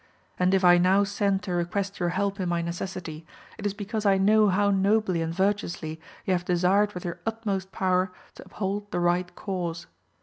And if I now send to request your help in my necessity, it is because I know how nobly and virtu ously you have desired with your utmost power to uphold the right cause.